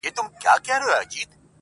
سل زنځیره مي شلولي دي ازاد یم,